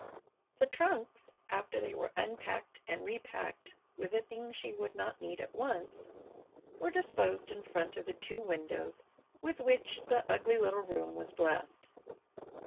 The trunks, after they were unpacked and repacked with the things she would not need at once, were disposed in front of the two windows with which the ugly little room was blessed.